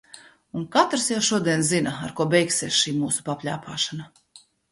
Un katrs jau šodien zina, ar ko beigsies šī mūsu papļāpāšana.